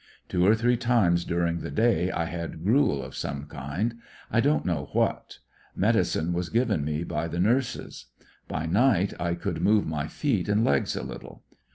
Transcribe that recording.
Two or three times during the day I had gruel of some kind, I ion't know what. Medicine was given me by the nurses. By night I could move my feet and legs a little.